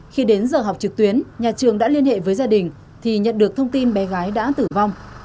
khi đến giờ học trực tuyến nhà trường đã liên hệ với gia đình thì nhận được thông tin bé gái đã tử vong